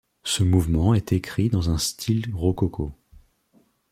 Ce mouvement est écrit dans un style rococo.